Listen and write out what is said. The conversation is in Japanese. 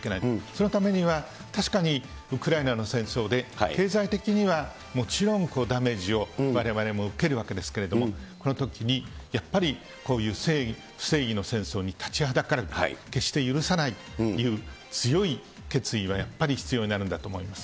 そのためには確かにウクライナの戦争で、経済的にはもちろん、ダメージをわれわれも受けるわけですけれども、このときに、やっぱりこういう正義、不正義の戦争に立ちはだかる、決して許さないという強い決意はやっぱり必要になるんだと思いま